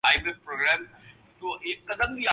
جو بہت سرد ہوں